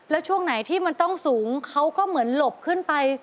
แล้วช่วงไหนที่มันต้องสูงเขาก็เหมือนหลบขึ้นไป